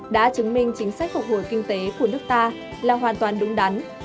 đã chứng minh chính sách phục hồi kinh tế của nước ta là hoàn toàn đúng đắn